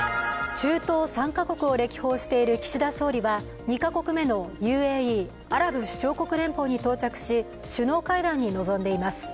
中東３か国を歴訪している岸田総理は２か国目のＵＡＥ＝アラブ首長国連邦に到着し、首脳会談に臨んでいます。